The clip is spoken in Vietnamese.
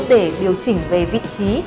để điều chỉnh về vị trí